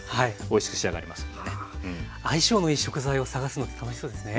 相性のいい食材を探すのって楽しそうですね。